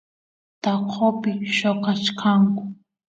taqopi lloqachkanku